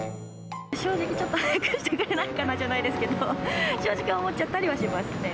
正直ちょっとはやくしてくれないかなじゃないですけど、正直、思っちゃったりはしますね。